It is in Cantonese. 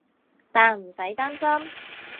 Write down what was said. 但唔使擔心